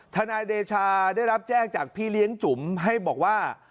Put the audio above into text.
ทนายเดชาได้รับแจ้งจากพี่เลี้ยงจุ๋มให้บอกว่า